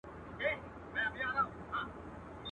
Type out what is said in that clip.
چي یوازي یې ایستله کفنونه.